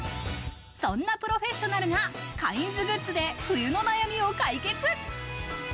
そんなプロフェッショナルがカインズグッズで冬の悩みを解決。